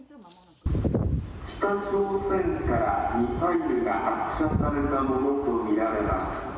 北朝鮮からミサイルが発射されたとものと見られます。